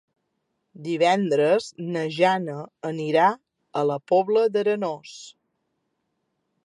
Divendres na Jana anirà a la Pobla d'Arenós.